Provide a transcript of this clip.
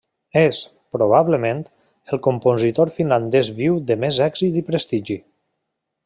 És, probablement, el compositor finlandès viu de més èxit i prestigi.